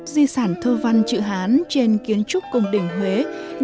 di sản thơ văn chữ hán